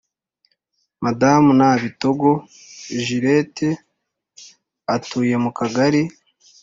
Madamu nabitoogo juliet atuye mu kagari